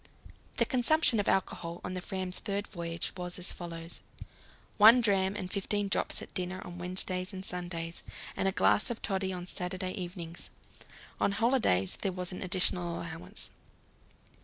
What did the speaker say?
The consumption of alcohol on the Fram's third voyage was as follows: One dram and fifteen drops at dinner on Wednesdays and Sundays, and a glass of toddy on Saturday evenings. On holidays there was an additional allowance.